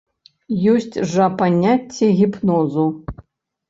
Ёсць жа паняцце гіпнозу.